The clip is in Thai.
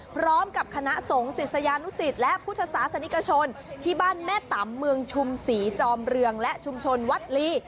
พร้อมกับคณะสงฆ์ศิษยานุสิตและพุทธศาสนิกชนที่บ้านแม่ตำเมืองชุมศรีจอมเรืองและชุมชนวัดลี